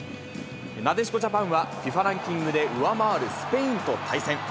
なでしこジャパンはＦＩＦＡランキングで上回るスペインと対戦。